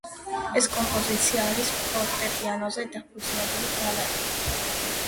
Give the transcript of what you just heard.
ეს კომპოზიცია არის ფორტეპიანოზე დაფუძნებული ბალადა.